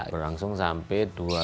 berlangsung sampai dua ribu enam belas